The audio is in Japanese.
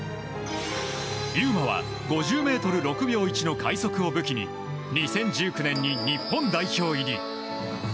祐真は５０ｍ６秒１の快足を武器に２０１９年に日本代表入り。